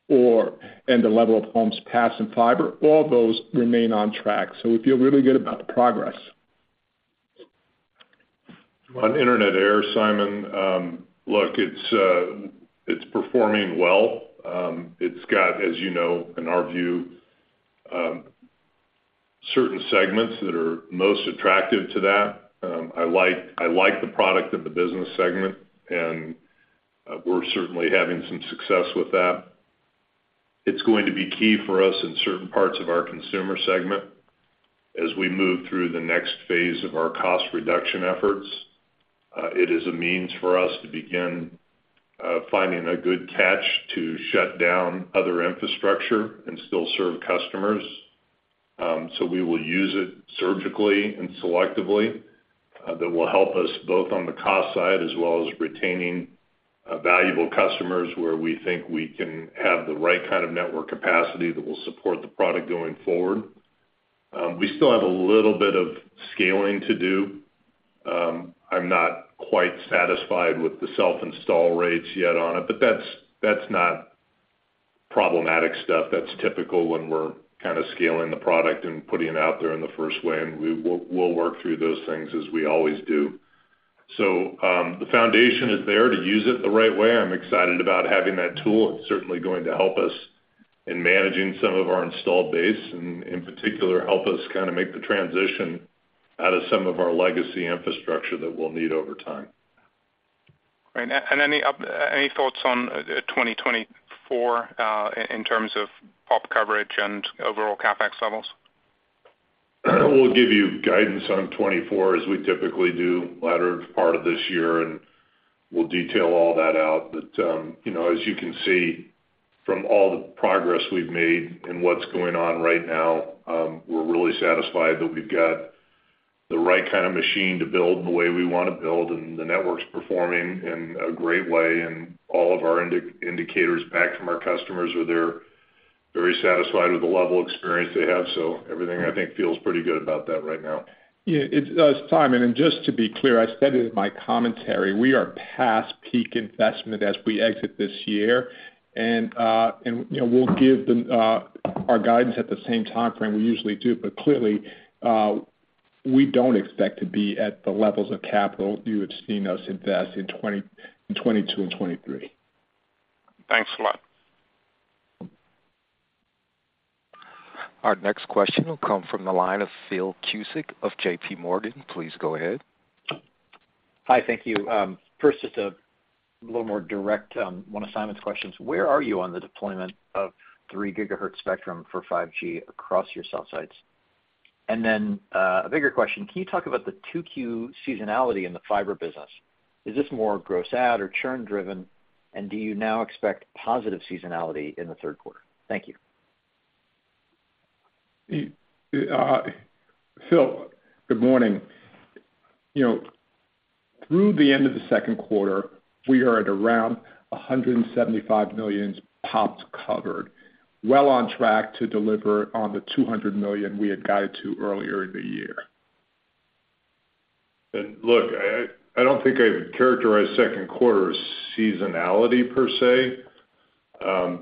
or, and the level of homes passing fiber, all those remain on track. We feel really good about the progress. On Internet Air, Simon, look, it's performing well. It's got, as you know, in our view, certain segments that are most attractive to that. I like the product of the business segment. We're certainly having some success with that. It's going to be key for us in certain parts of our consumer segment as we move through the next phase of our cost reduction efforts. It is a means for us to begin finding a good catch to shut down other infrastructure and still serve customers. We will use it surgically and selectively. That will help us both on the cost side, as well as retaining valuable customers where we think we can have the right kind of network capacity that will support the product going forward. We still have a little bit of scaling to do. I'm not quite satisfied with the self-install rates yet on it, but that's not problematic stuff. That's typical when we're kind of scaling the product and putting it out there in the first way, and we'll work through those things as we always do. The foundation is there to use it the right way. I'm excited about having that tool. It's certainly going to help us in managing some of our installed base, and in particular, help us kind of make the transition out of some of our legacy infrastructure that we'll need over time. Great. Any thoughts on, 2024, in terms of POP coverage and overall CapEx levels? We'll give you guidance on 2024, as we typically do, latter part of this year, and we'll detail all that out. You know, as you can see from all the progress we've made and what's going on right now, we're really satisfied that we've got the right kind of machine to build the way we want to build, and the network's performing in a great way. All of our indicators back from our customers are there, very satisfied with the level of experience they have. Everything, I think, feels pretty good about that right now. Yeah, it's Simon. Just to be clear, I said in my commentary, we are past peak investment as we exit this year, and, you know, we'll give the, our guidance at the same time frame we usually do. Clearly, we don't expect to be at the levels of capital you had seen us invest in 2022 and 2023. Thanks a lot. Our next question will come from the line of Phil Cusick of JPMorgan. Please go ahead. Hi, thank you. First, just a little more direct, one of Simon's questions: Where are you on the deployment of 3 GHz spectrum for 5G across your cell sites? Then, a bigger question, can you talk about the 2Q seasonality in the Fiber business? Is this more gross add or churn driven, and do you now expect positive seasonality in the third quarter? Thank you. Phil, good morning. You know, through the end of the second quarter, we are at around 175 million POPs covered, well on track to deliver on the 200 million POPs we had guided to earlier in the year. Look, I don't think I'd characterize second quarter as seasonality per se. I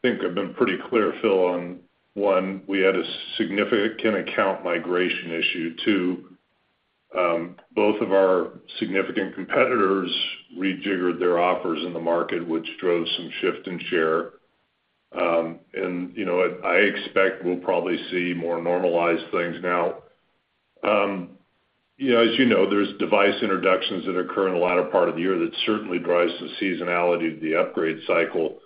think I've been pretty clear, Phil, on one, we had a significant account migration issue. Two, both of our significant competitors rejiggered their offers in the market, which drove some shift in share. You know, I expect we'll probably see more normalized things now. You know, as you know, there's device introductions that occur in the latter part of the year that certainly drives the seasonality of the upgrade cycle.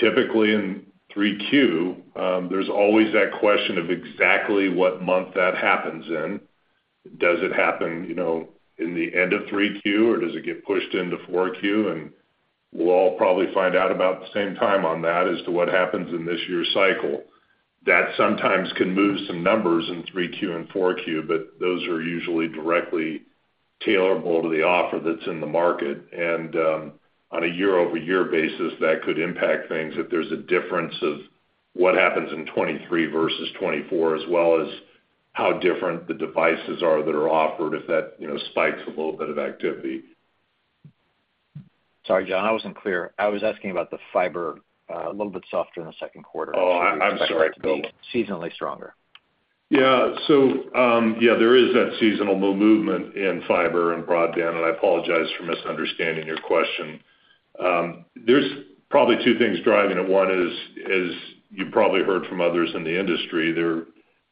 Typically in 3Q, there's always that question of exactly what month that happens in. Does it happen, you know, in the end of 3Q, or does it get pushed into 4Q? We'll all probably find out about the same time on that as to what happens in this year's cycle. That sometimes can move some numbers in 3Q and 4Q, but those are usually directly tailorable to the offer that's in the market. On a year-over-year basis, that could impact things if there's a difference of what happens in 2023 versus 2024, as well as how different the devices are that are offered, if that, you know, spikes a little bit of activity. Sorry, John, I wasn't clear. I was asking about the Fiber, a little bit softer in the second quarter. Oh, I'm sorry. Seasonally stronger. Yeah. Yeah, there is that seasonal movement in Fiber and Broadband, and I apologize for misunderstanding your question. There's probably two things driving it. One is, as you probably heard from others in the industry, there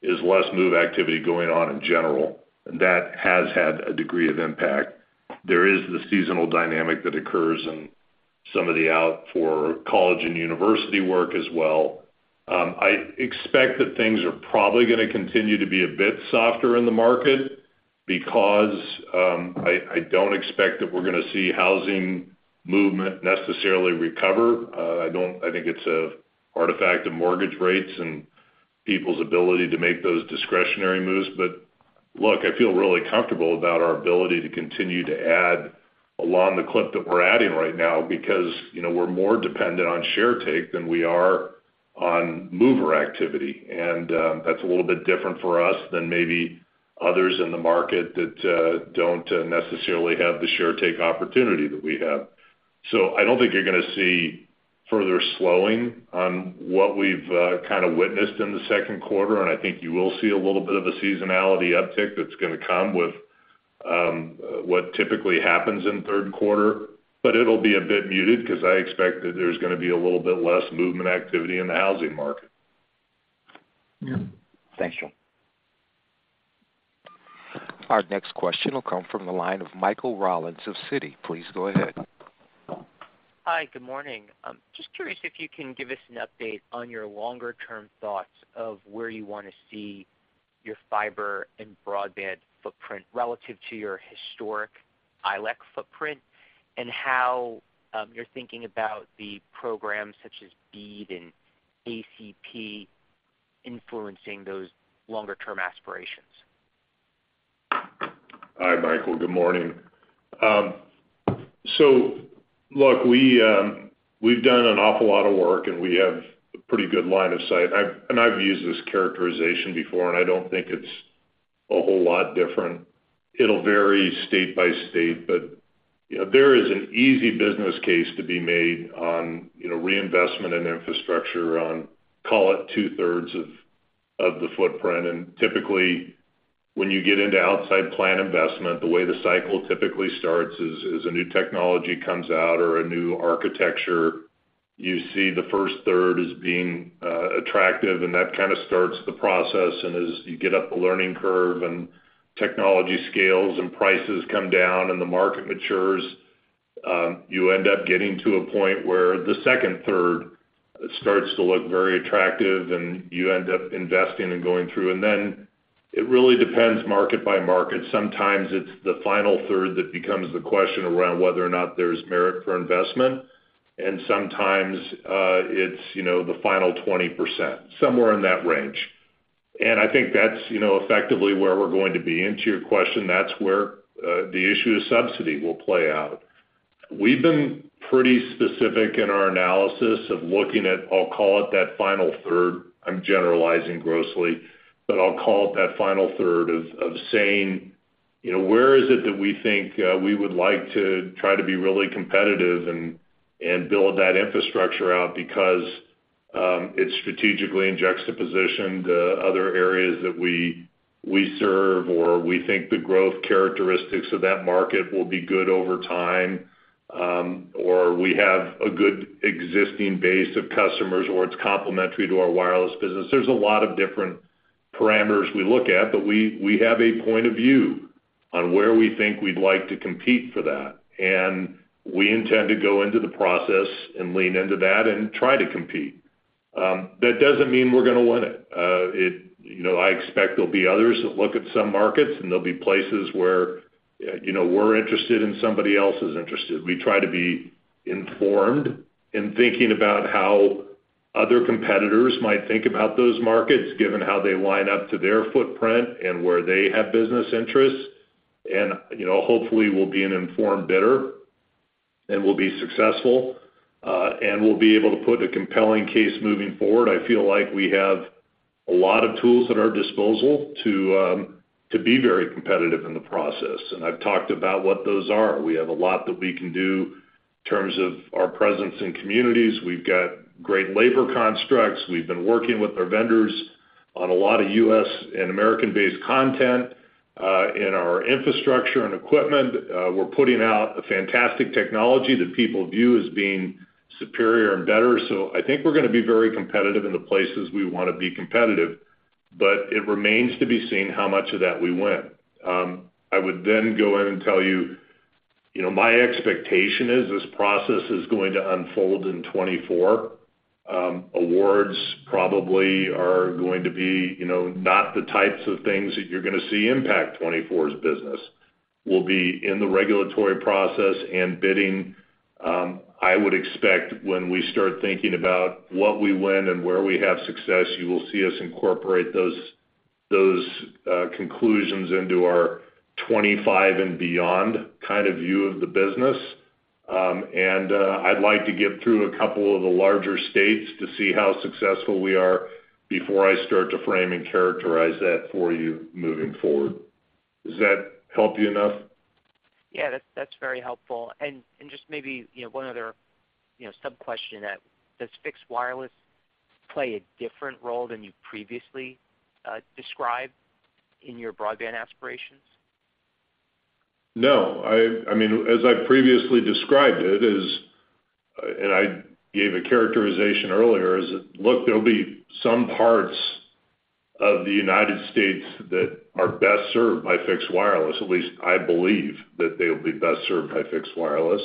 is less move activity going on in general, and that has had a degree of impact. There is the seasonal dynamic that occurs and some of the out for college and university work as well. I expect that things are probably gonna continue to be a bit softer in the market because I don't expect that we're gonna see housing movement necessarily recover. I think it's a artifact of mortgage rates, and people's ability to make those discretionary moves. Look, I feel really comfortable about our ability to continue to add along the clip that we're adding right now, because, you know, we're more dependent on share take than we are on mover activity. That's a little bit different for us than maybe others in the market that don't necessarily have the share take opportunity that we have. I don't think you're gonna see further slowing on what we've kinda witnessed in the second quarter, and I think you will see a little bit of a seasonality uptick that's gonna come with what typically happens in the third quarter. It'll be a bit muted, 'cause I expect that there's gonna be a little bit less movement activity in the housing market. Yeah. Thanks, John. Our next question will come from the line of Michael Rollins of Citi. Please go ahead. Hi, good morning. Just curious if you can give us an update on your longer-term thoughts of where you wanna see your Fiber and Broadband footprint relative to your historic ILEC footprint, and how you're thinking about the programs such as BEAD and ACP influencing those longer-term aspirations? Hi, Michael. Good morning. Look, we've done an awful lot of work, and we have a pretty good line of sight. I've used this characterization before, and I don't think it's a whole lot different. It'll vary state by state, but, you know, there is an easy business case to be made on, you know, reinvestment in infrastructure on, call it, two-thirds of the footprint. Typically, when you get into outside plan investment, the way the cycle typically starts is a new technology comes out or a new architecture. You see the first third as being attractive, and that kinda starts the process. As you get up the learning curve and technology scales and prices come down and the market matures, you end up getting to a point where the second third starts to look very attractive and you end up investing and going through. It really depends market by market. Sometimes it's the final third that becomes the question around whether or not there's merit for investment, and sometimes, it's, you know, the final 20%, somewhere in that range. I think that's, you know, effectively where we're going to be. To your question, that's where the issue of subsidy will play out. We've been pretty specific in our analysis of looking at, I'll call it, that final third. I'm generalizing grossly, but I'll call it that final third of saying, you know, where is it that we think we would like to try to be really competitive and build that infrastructure out? Because it strategically injects the position to other areas that we serve, or we think the growth characteristics of that market will be good over time, or we have a good existing base of customers, or it's complementary to our Wireless business. There's a lot of different parameters we look at, but we have a point of view on where we think we'd like to compete for that, and we intend to go into the process and lean into that and try to compete. That doesn't mean we're gonna win it. You know, I expect there'll be others that look at some markets, there'll be places where, you know, we're interested and somebody else is interested. We try to be informed in thinking about how other competitors might think about those markets, given how they line up to their footprint and where they have business interests. You know, hopefully, we'll be an informed bidder, and we'll be successful, and we'll be able to put a compelling case moving forward. I feel like we have a lot of tools at our disposal to be very competitive in the process, and I've talked about what those are. We have a lot that we can do in terms of our presence in communities. We've got great labor constructs. We've been working with our vendors on a lot of U.S. and American-based content in our infrastructure and equipment. We're putting out a fantastic technology that people view as being superior and better. I think we're gonna be very competitive in the places we wanna be competitive, but it remains to be seen how much of that we win. I would then go in and tell you know, my expectation is this process is going to unfold in 2024. Awards probably are going to be, you know, not the types of things that you're gonna see impact 2024's business. We'll be in the regulatory process and bidding. I would expect when we start thinking about what we win and where we have success, you will see us incorporate those conclusions into our 2025 and beyond kind of view of the business. I'd like to get through a couple of the larger states to see how successful we are before I start to frame and characterize that for you moving forward. Does that help you enough? Yeah, that's very helpful. Just maybe, you know, one other, you know, subquestion that, does Fixed Wireless play a different role than you previously described in your broadband aspirations? I mean, as I previously described it, is, and I gave a characterization earlier, is that, look, there'll be some parts of the United States that are best served by Fixed Wireless, at least I believe that they'll be best served by Fixed Wireless.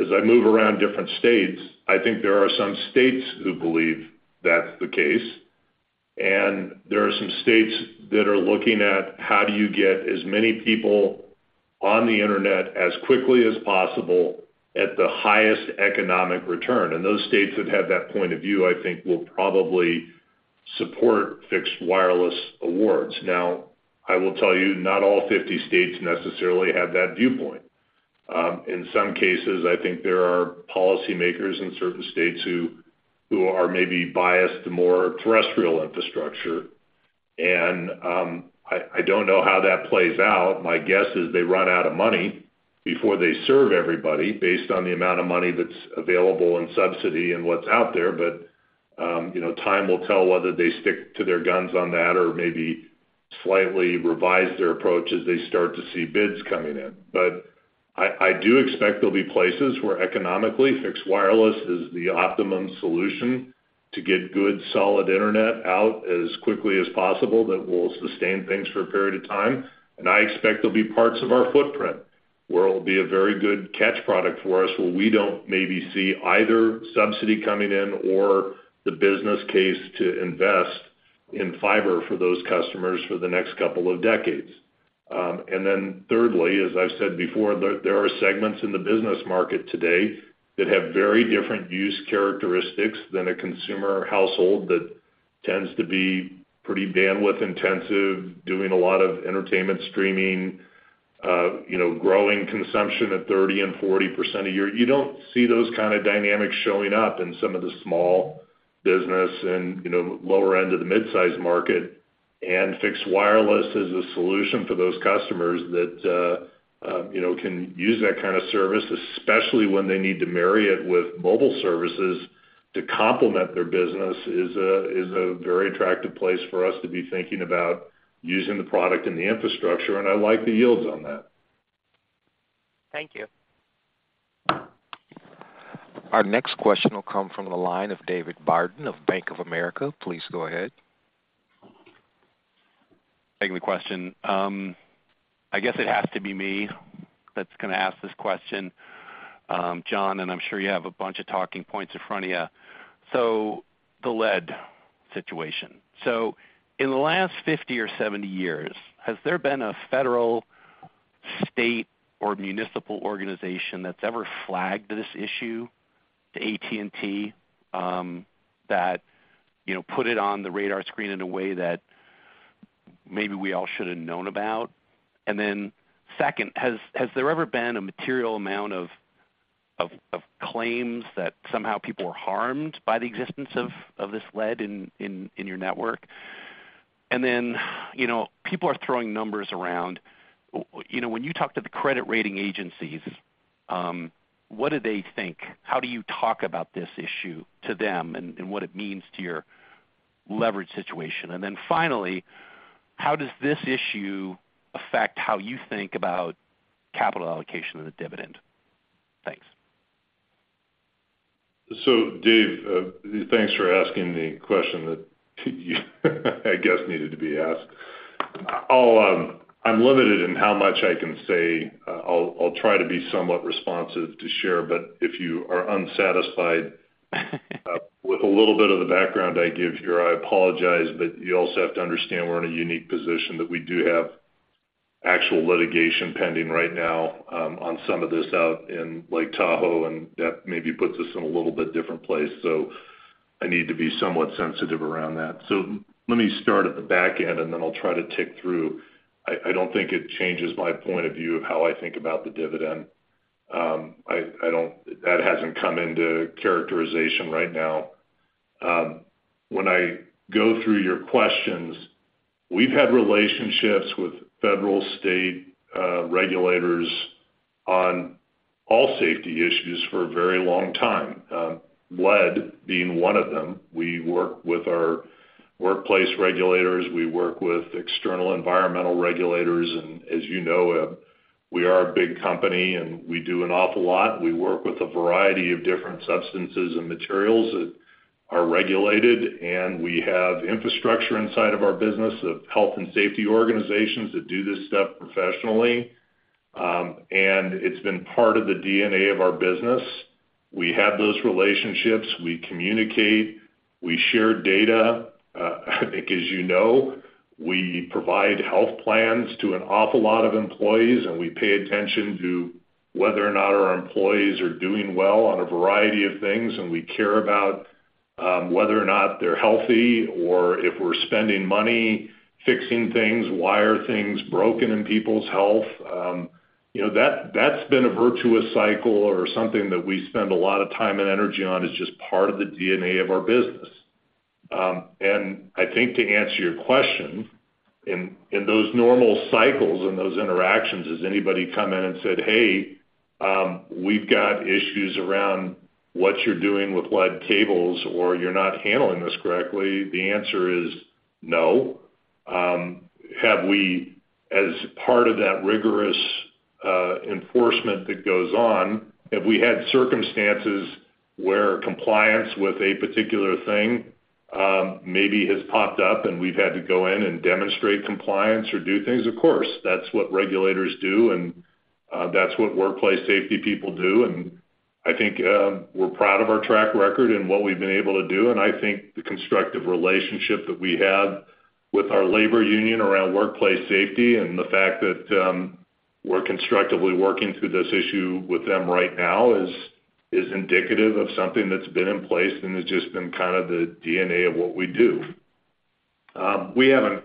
As I move around different states, I think there are some states who believe that's the case, and there are some states that are looking at, how do you get as many people on the internet as quickly as possible at the highest economic return. Those states that have that point of view, I think, will probably support Fixed Wireless awards. I will tell you, not all 50 states necessarily have that viewpoint. In some cases, I think there are policymakers in certain states who are maybe biased to more terrestrial infrastructure. I don't know how that plays out. My guess is they run out of money before they serve everybody, based on the amount of money that's available in subsidy and what's out there. You know, time will tell whether they stick to their guns on that or maybe slightly revise their approach as they start to see bids coming in. I do expect there'll be places where economically, Fixed Wireless is the optimum solution to get good, solid internet out as quickly as possible, that will sustain things for a period of time. I expect there'll be parts of our footprint where it'll be a very good catch product for us, where we don't maybe see either subsidy coming in or the business case to invest in fiber for those customers for the next couple of decades. Thirdly, as I've said before, there are segments in the business market today that have very different use characteristics than a consumer household that tends to be pretty bandwidth-intensive, doing a lot of entertainment streaming, you know, growing consumption at 30% and 40% a year. You don't see those kind of dynamics showing up in some of the small business and, you know, lower end of the mid-size market, and Fixed Wireless is a solution for those customers that, you know, can use that kind of service, especially when they need to marry it with mobile services to complement their business, is a very attractive place for us to be thinking about using the product and the infrastructure, and I like the yields on that. Thank you. Our next question will come from the line of David Barden of Bank of America. Please go ahead. Taking the question. I guess it has to be me that's gonna ask this question, John, and I'm sure you have a bunch of talking points in front of you. The lead situation. In the last 50 or 70 years, has there been a federal, state, or municipal organization that's ever flagged this issue to AT&T, that, you know, put it on the radar screen in a way that maybe we all should have known about? Second, has ever been a material amount of claims that somehow people were harmed by the existence of this lead in your network? You know, people are throwing numbers around. You know, when you talk to the credit rating agencies, what do they think? How do you talk about this issue to them, and what it means to your leverage situation? Finally, how does this issue affect how you think about capital allocation and the dividend? Thanks. Dave, thanks for asking the question that I guess, needed to be asked. I'm limited in how much I can say. I'll try to be somewhat responsive to share, but if you are unsatisfied with a little bit of the background I give here, I apologize, but you also have to understand we're in a unique position that we do have actual litigation pending right now, on some of this out in Lake Tahoe, and that maybe puts us in a little bit different place. I need to be somewhat sensitive around that. Let me start at the back end, and then I'll try to tick through. I don't think it changes my point of view of how I think about the dividend. That hasn't come into characterization right now. When I go through your questions, we've had relationships with federal, state, regulators on all safety issues for a very long time, lead being one of them. We work with our workplace regulators, we work with external environmental regulators, and as you know, we are a big company, and we do an awful lot. We work with a variety of different substances and materials that are regulated, and we have infrastructure inside of our business of health and safety organizations that do this stuff professionally. It's been part of the DNA of our business. We have those relationships, we communicate, we share data. I think as you know, we provide health plans to an awful lot of employees, and we pay attention to whether or not our employees are doing well on a variety of things, and we care about whether or not they're healthy or if we're spending money fixing things, why are things broken in people's health? You know, that's been a virtuous cycle or something that we spend a lot of time and energy on, is just part of the DNA of our business. I think to answer your question, in those normal cycles and those interactions, has anybody come in and said, "Hey, we've got issues around what you're doing with lead cables, or you're not handling this correctly?" The answer is no. Have we, as part of that rigorous enforcement that goes on, have we had circumstances where compliance with a particular thing maybe has popped up and we've had to go in and demonstrate compliance or do things? Of course, that's what regulators do, and that's what workplace safety people do. I think we're proud of our track record and what we've been able to do, and I think the constructive relationship that we have with our labor union around workplace safety and the fact that we're constructively working through this issue with them right now is indicative of something that's been in place and has just been kind of the DNA of what we do. We haven't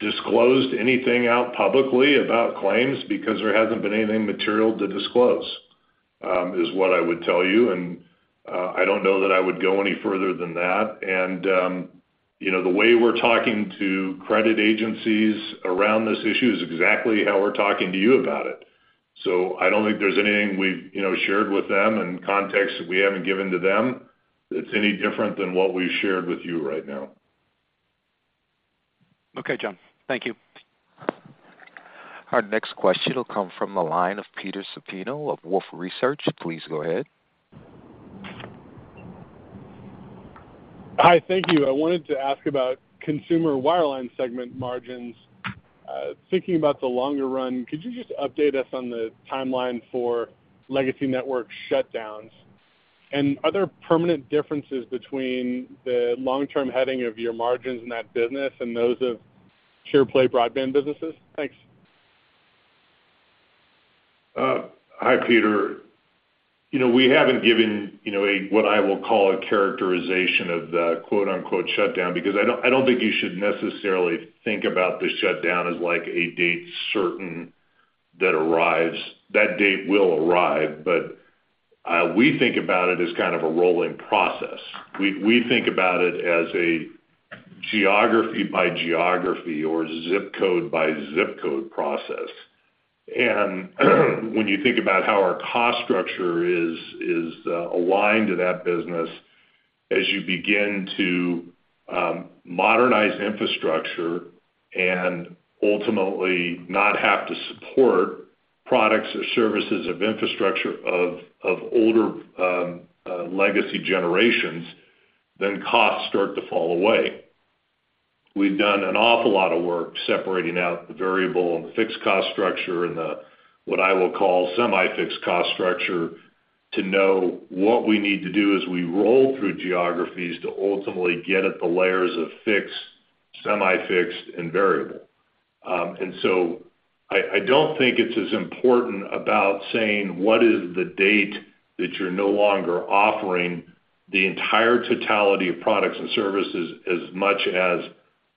disclosed anything out publicly about claims because there hasn't been anything material to disclose, is what I would tell you, and I don't know that I would go any further than that. You know, the way we're talking to credit agencies around this issue is exactly how we're talking to you about it. I don't think there's anything we've, you know, shared with them and context that we haven't given to them, that's any different than what we've shared with you right now. Okay, John. Thank you. Our next question will come from the line of Peter Supino of Wolfe Research. Please go ahead. Hi, thank you. I wanted to ask about Consumer Wireline segment margins. Thinking about the longer run, could you just update us on the timeline for legacy network shutdowns? Are there permanent differences between the long-term heading of your margins in that business and those of pure play broadband businesses? Thanks. Hi, Peter. You know, we haven't given, you know, a, what I will call a characterization of the quote-unquote, shutdown, because I don't, I don't think you should necessarily think about the shutdown as like a date certain that arrives. That date will arrive, but we think about it as kind of a rolling process. We think about it as a geography by geography or zip code by zip code process. When you think about how our cost structure is aligned to that business, as you begin to modernize infrastructure and ultimately not have to support products or services of infrastructure, of older, legacy generations, then costs start to fall away. We've done an awful lot of work separating out the variable and the fixed cost structure and the, what I will call, semi-fixed cost structure, to know what we need to do as we roll through geographies to ultimately get at the layers of fixed, semi-fixed and variable. I don't think it's as important about saying what is the date that you're no longer offering the entire totality of products and services, as much as,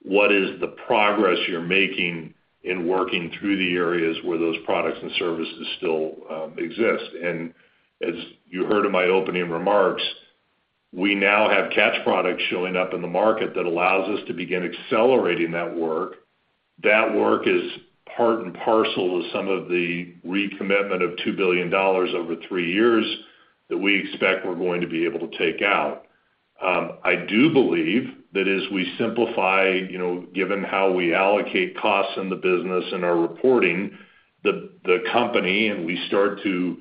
what is the progress you're making in working through the areas where those products and services still exist? As you heard in my opening remarks, we now have catch products showing up in the market that allows us to begin accelerating that work. That work is part and parcel to some of the recommitment of $2 billion over three years that we expect we're going to be able to take out. I do believe that as we simplify, you know, given how we allocate costs in the business and our reporting, the company, we start to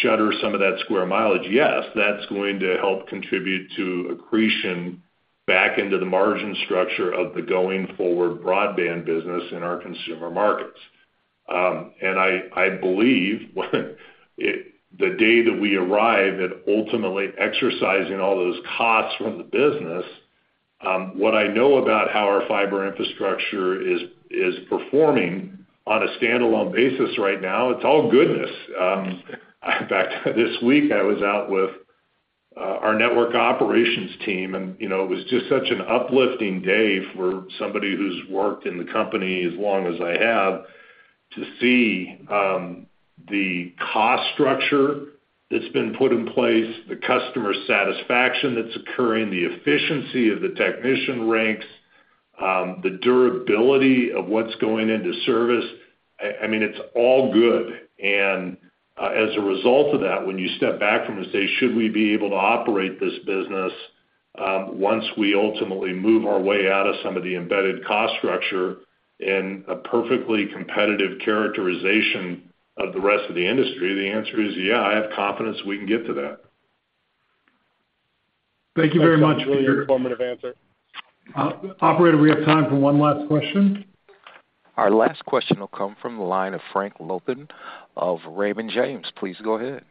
shutter some of that square mileage, yes, that's going to help contribute to accretion back into the margin structure of the going-forward broadband business in our consumer markets. I believe the day that we arrive at ultimately exercising all those costs from the business, what I know about how our fiber infrastructure is performing on a standalone basis right now, it's all goodness. In fact, this week, I was out with our network operations team, and, you know, it was just such an uplifting day for somebody who's worked in the company as long as I have, to see the cost structure that's been put in place, the customer satisfaction that's occurring, the efficiency of the technician ranks, the durability of what's going into service. I mean, it's all good. As a result of that, when you step back from and say, "Should we be able to operate this business, once we ultimately move our way out of some of the embedded cost structure in a perfectly competitive characterization of the rest of the industry?" The answer is, yeah, I have confidence we can get to that. Thank you very much, Peter. Thanks, John. Really informative answer. Operator, we have time for one last question. Our last question will come from the line of Frank Louthan of Raymond James. Please go ahead.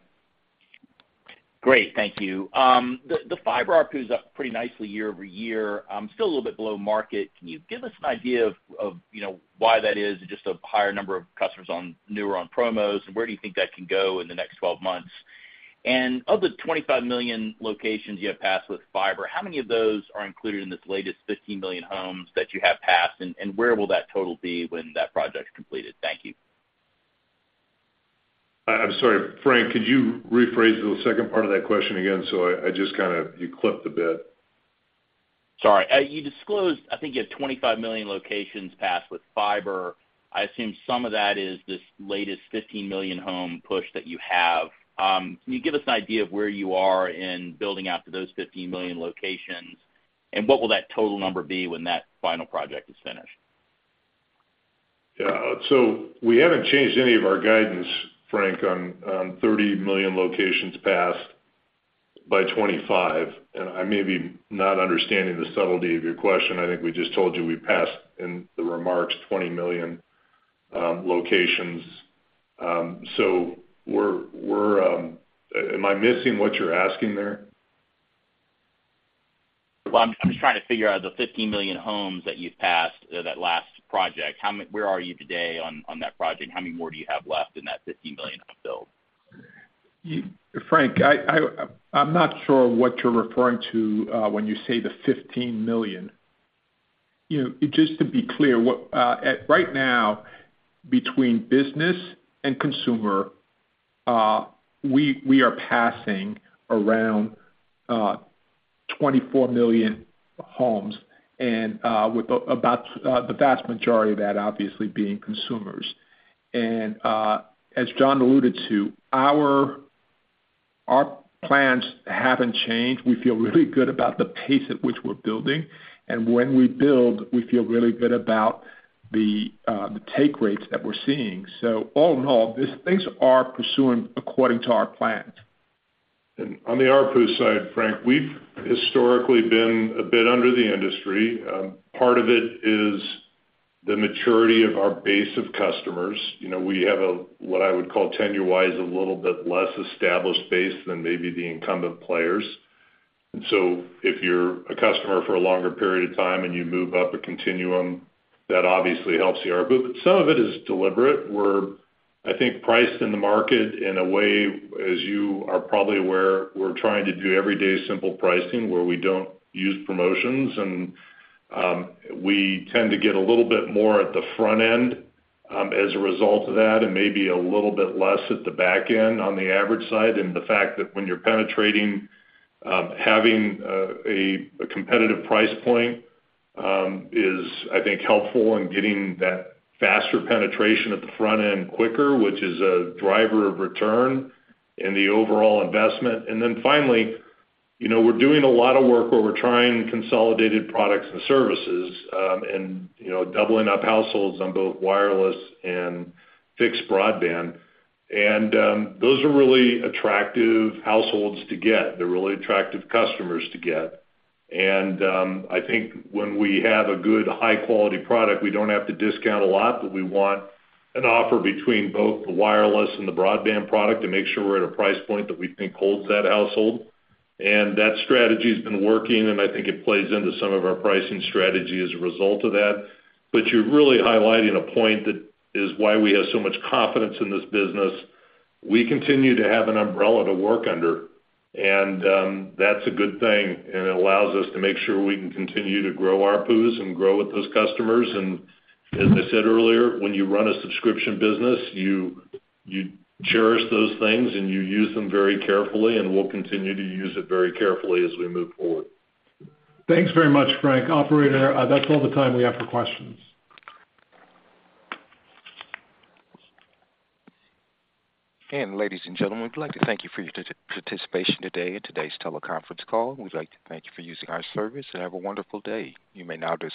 Great. Thank you. The Fiber ARPU is up pretty nicely year-over-year, still a little bit below market. Can you give us an idea of, you know, why that is? Just a higher number of customers on newer on promos, and where do you think that can go in the next 12 months? Of the 25 million locations you have passed with Fiber, how many of those are included in this latest 15 million homes that you have passed, and where will that total be when that project is completed? Thank you. I'm sorry, Frank, could you rephrase the second part of that question again? I just kind of, you clipped a bit. Sorry. You disclosed, I think you had 25 million locations passed with Fiber. I assume some of that is this latest 15 million home push that you have. Can you give us an idea of where you are in building out to those 15 million locations? What will that total number be when that final project is finished? Yeah. We haven't changed any of our guidance, Frank, on 30 million locations passed by 25, and I may be not understanding the subtlety of your question. I think we just told you we passed in the remarks, 20 million locations. Am I missing what you're asking there? Well, I'm just trying to figure out the 15 million homes that you've passed, that last project. Where are you today on that project? How many more do you have left in that 15 million to build? You, Frank, I'm not sure what you're referring to when you say the 15 million. You know, just to be clear, what at right now, between business and consumer, we are passing around 24 million homes, and with about the vast majority of that obviously being consumers. As John alluded to, our plans haven't changed. We feel really good about the pace at which we're building. When we build, we feel really good about the take rates that we're seeing. All in all, these things are pursuing according to our plans. On the ARPU side, Frank, we've historically been a bit under the industry. Part of it is the maturity of our base of customers. You know, we have a, what I would call, tenure-wise, a little bit less established base than maybe the incumbent players. If you're a customer for a longer period of time and you move up a continuum, that obviously helps the ARPU. Some of it is deliberate. We're, I think, priced in the market in a way, as you are probably aware, we're trying to do everyday simple pricing, where we don't use promotions. We tend to get a little bit more at the front end, as a result of that, and maybe a little bit less at the back end on the average side. The fact that when you're penetrating, having a competitive price point is, I think, helpful in getting that faster penetration at the front end quicker, which is a driver of return in the overall investment. Finally, you know, we're doing a lot of work where we're trying consolidated products and services, and, you know, doubling up households on both Wireless and Fixed Broadband. Those are really attractive households to get. They're really attractive customers to get. I think when we have a good, high-quality product, we don't have to discount a lot, but we want an offer between both the Wireless and the Broadband product to make sure we're at a price point that we think holds that household. That strategy's been working, and I think it plays into some of our pricing strategy as a result of that. You're really highlighting a point that is why we have so much confidence in this business. We continue to have an umbrella to work under, and that's a good thing, and it allows us to make sure we can continue to grow ARPUs and grow with those customers. As I said earlier, when you run a subscription business, you cherish those things, and you use them very carefully, and we'll continue to use it very carefully as we move forward. Thanks very much, Frank. Operator, that's all the time we have for questions. ladies and gentlemen, we'd like to thank you for your participation today in today's teleconference call. We'd like to thank you for using our service. Have a wonderful day. You may now disconnect.